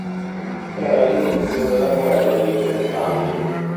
Era l'inizio della guerra dei Trent'anni.